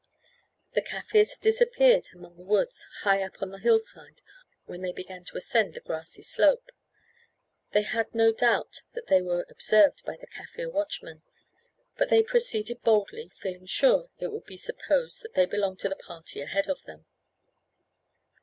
The Kaffirs had disappeared among the woods, high up on the hill side, when they began to ascend the grassy slope. They had no doubt that they were observed by the Kaffir watchmen, but they proceeded boldly, feeling sure it would be supposed that they belonged to the party ahead of them.